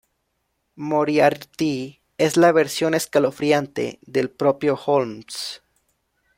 Moriarty es la versión escalofriante del propio Holmes.